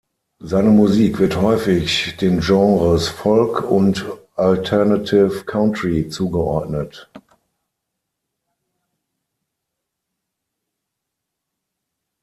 Seine Musik wird häufig den Genres Folk und Alternative Country zugeordnet.